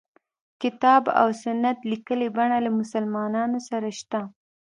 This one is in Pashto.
کتاب او سنت لیکلي بڼه له مسلمانانو سره شته.